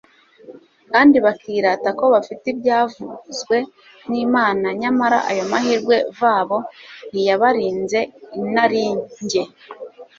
kandi bakirata ko bafite ibyavuzwe n'Imana, nyamara ayo mahirwe vabo ntiyabarinze inarinjye,